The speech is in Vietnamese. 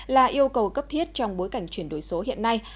là yêu cầu cấp thiết trong bối cảnh chuyển đổi số hiện nay